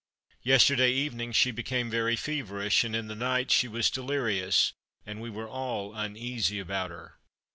Yesterday evening she became very feverish, and in the night she was delirious, and we weve all uneasy about her.